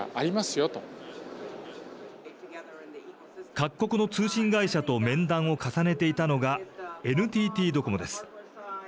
各国の通信会社と面談を重ねていたのがＮＴＴドコモです。